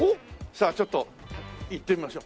さあちょっと行ってみましょう。